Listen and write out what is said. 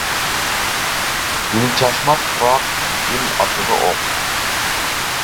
گۈل چاچماس پۇراق گۈل ئاتىدۇ ئوق.